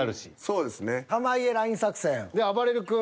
そうですね。